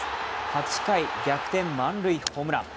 ８回、逆転満塁ホームラン。